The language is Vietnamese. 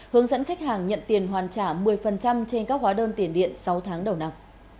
hướng dẫn khách hàng nhận tiền hoàn trả một mươi trên các hóa đơn tiền điện sáu tháng đầu năm